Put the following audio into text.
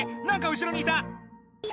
なんか後ろにいた。